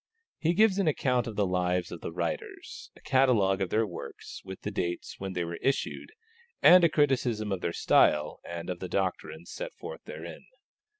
He gives an account of the lives of the writers, a catalogue of their works, with the dates when they were issued, and a criticism of their style and of the doctrines set forth therein.